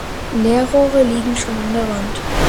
Leerrohre liegen schon in der Wand.